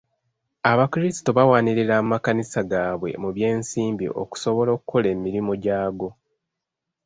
Abakulisitu bawanirira amakanisa gaabwe mu by'ensimbi okusobola okukola emirimu gy'ago.